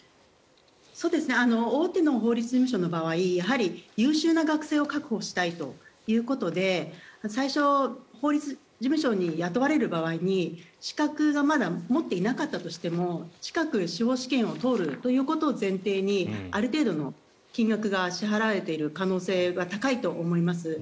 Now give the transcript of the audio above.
大手の法律事務所の場合優秀な学生を確保したいということで最初、法律事務所に雇われる場合に資格がまだ持っていなかったとしても近く司法試験を通るということを前提にある程度の金額が支払われている可能性は高いと思います。